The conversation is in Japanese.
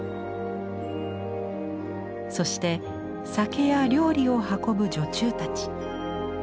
そして酒や料理を運ぶ女中たち。